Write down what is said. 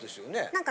何か。